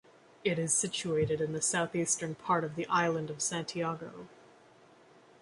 It is situated in the southeastern part of the island of Santiago.